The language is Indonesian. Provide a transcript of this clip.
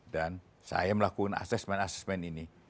dan saya melakukan asesmen asesmen ini